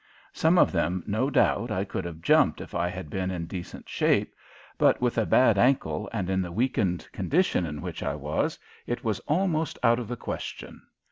Some of them, no doubt, I could have jumped if I had been in decent shape, but with a bad ankle and in the weakened condition in which I was, it was almost out of the question.